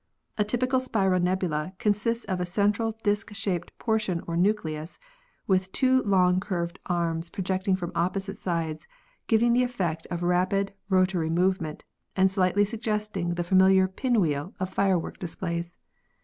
A typical spiral nebula consists of a central disk shaped portion or nucleus, with two long, curved arms projecting from opposite sides, giving the effect of rapid rotary move ment and slightly suggesting the familiar "pin wheel" of firework displays.